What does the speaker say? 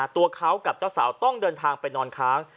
ตัวเขากับเจ้าสาวต้องเดินทางไปนอนค้าง